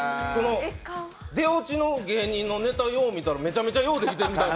出落ちの芸人のネタを見たら、めちゃめちゃようできてるみたいな。